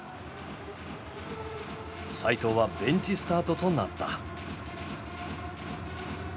齋藤はベンチスタートとなった。